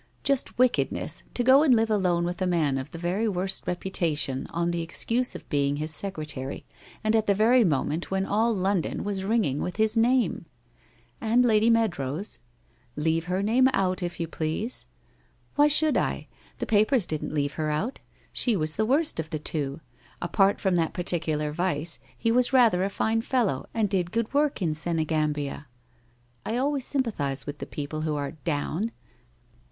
Just wickedness, to go and live alone with a man of the very worst reputation on the excuse of being his secretary, and at the very moment when all London was ringing with his name !'* And Lady Meadrow's.' * Leave her name out, if you please/ * Why should I ? The papers didn't leave her out ! She was the worst of the two. Apart from that particular vice, he was rather a fine fellow and did good work in Sene gambia. I always sympathize with the people who are " down."